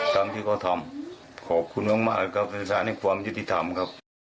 ตามที่เขาทำขอบคุณมากครับศึกษาในความยิติธรรมก็